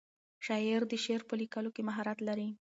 شاعر د شعر په لیکلو کې مهارت لري.